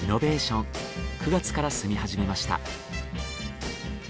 ９月から住み始めました。